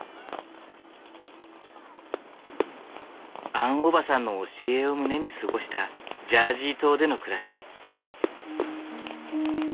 アンおばさんの教えを胸に過ごしたジャージー島での暮らし。